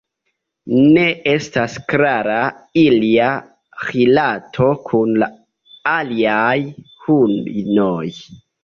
Ne estas klara ilia rilato kun la aliaj hunoj.